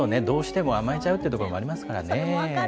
どうしても甘えちゃうということもありますからね。